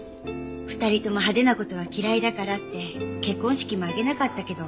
２人とも派手な事は嫌いだからって結婚式も挙げなかったけど。